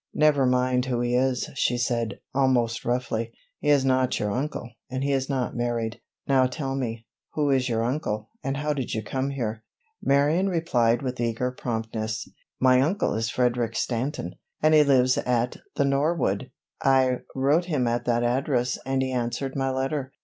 "Never mind who he is," she said, almost roughly. "He is not your uncle, and he is not married. Now tell me, who is your uncle, and how did you come here?" Marion replied with eager promptness: "My uncle is Frederic Stanton, and he lives at 'The Norwood.' I wrote him at that address and he answered my letter.